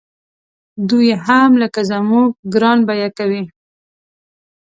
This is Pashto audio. دوی یې هم لکه زموږ ګران بیه کوي.